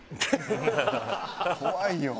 怖いよ。